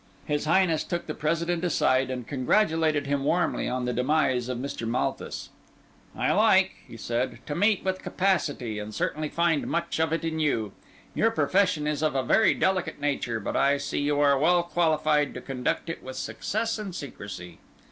His Highness took the President aside and congratulated him warmly on the demise of Mr. Malthus. "I like," he said, "to meet with capacity, and certainly find much of it in you. Your profession is of a very delicate nature, but I see you are well qualified to conduct it with success and secrecy."